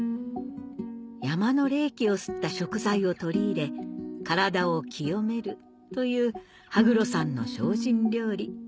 山の霊気を吸った食材を取り入れ体を清めるという羽黒山の精進料理